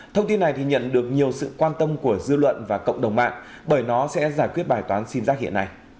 thông tin này nhận được nhiều sự quan tâm của dư luận và cộng đồng mạng bởi nó sẽ giải quyết bài toán sim giác hiện nay